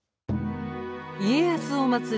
家康を祭る